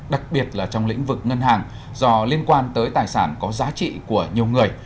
đặc biệt là trong lĩnh vực ngân hàng do liên quan tới tài sản có giá trị của nhiều người